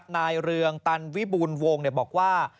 นายเรืองตันวิบูรณ์วงบอกว่า